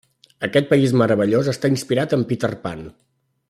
Aquest país meravellós està inspirat en Peter Pan.